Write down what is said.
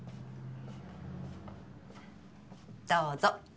どうぞ。